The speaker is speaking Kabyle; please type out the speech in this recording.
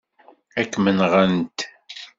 Ad kem-nɣent.